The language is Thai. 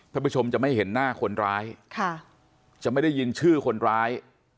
ผู้ชมจะไม่เห็นหน้าคนร้ายค่ะจะไม่ได้ยินชื่อคนร้าย